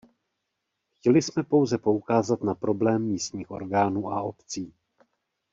Chtěli jsme pouze poukázat na problém místních orgánů a obcí.